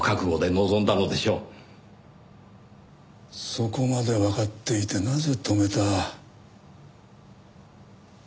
そこまでわかっていてなぜ止めた？